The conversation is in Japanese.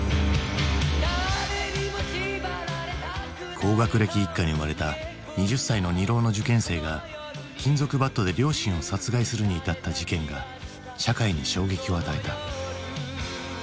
高学歴一家に生まれた２０歳の２浪の受験生が金属バットで両親を殺害するに至った事件が社会に衝撃を与えた。